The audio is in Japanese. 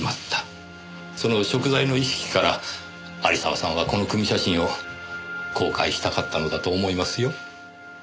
その贖罪の意識から有沢さんはこの組み写真を公開したかったのだと思いますよ。